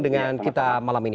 dengan kita malam ini